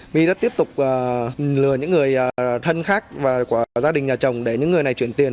my đã tiếp tục lừa những người thân khác và của gia đình nhà chồng để những người này chuyển tiền